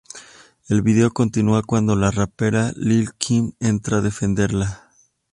El vídeo continua cuando la rapera Lil' Kim entra a defenderla.